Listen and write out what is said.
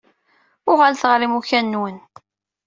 Uɣalet ɣer imukan-nwen.